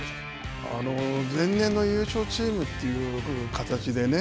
前年の優勝チームという形でね